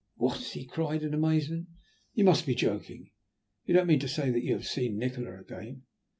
"What?" he cried, in amazement. "You must be joking. You don't mean to say that you have seen Nikola again?"